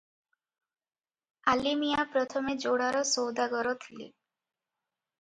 ଆଲିମିଆଁ ପ୍ରଥମେ ଯୋଡ଼ାର ସୌଦାଗର ଥିଲେ ।